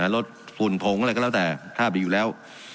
ลดฝุ่นผงอะไรก็แล้วแต่ถ้ามีอยู่แล้ว